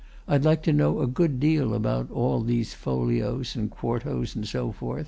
I'd like to know a good deal about all these folios and quartos and so on."